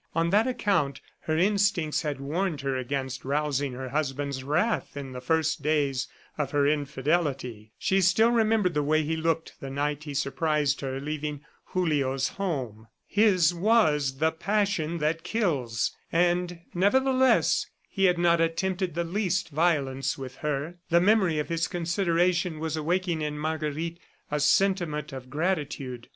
On that account, her instincts had warned her against rousing her husband's wrath in the first days of her infidelity. She still remembered the way he looked the night he surprised her leaving Julio's home. His was the passion that kills, and, nevertheless, he had not attempted the least violence with her. ... The memory of his consideration was awakening in Marguerite a sentiment of gratitude.